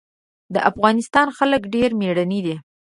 د افغانستان خلک ډېر مېړني دي.